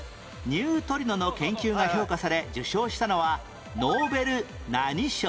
ニュートリノの研究が評価され受賞したのはノーベル何賞？